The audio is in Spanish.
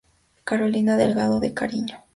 Carolina Delgado de Cariño.